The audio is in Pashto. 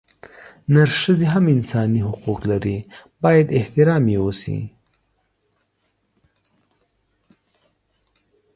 نرښځي هم انساني حقونه لري بايد احترام يې اوشي